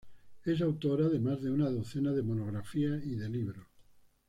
Es autora de más de una docena de monografías y de libros.